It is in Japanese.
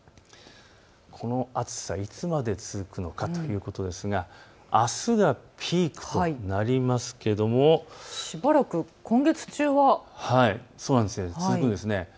この暑さ、いつまで続くのかということですがあすがピークとなりますが今月中は続くんです。